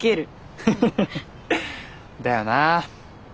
フフフフだよな。